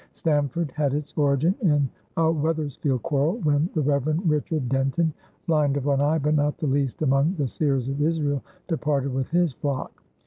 Stamford had its origin in a Wethersfield quarrel, when the Reverend Richard Denton, "blind of one eye but not the least among the seers of Israel," departed with his flock.